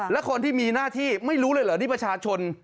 แล้วคนที่มีหน้าที่ไม่รู้เลยเหรอที่ประชาชน